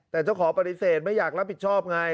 แต่เจ้าของปฏิเสธไม่อยากรับผิดชอบไง